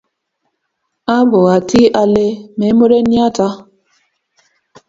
abawatii ale me muren yoto.